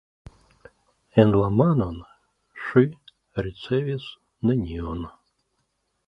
En la manon ŝi ricevis nenion.